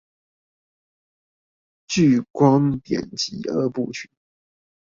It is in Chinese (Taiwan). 颶光典籍二部曲